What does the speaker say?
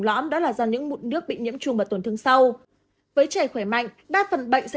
lõm đó là do những mụn nước bị nhiễm trùng và tổn thương sau với trẻ khỏe mạnh đa phần bệnh sẽ